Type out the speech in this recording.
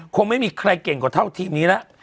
คงไม่มีใครเก่งกว่าเท่าทีมนี้แล้ว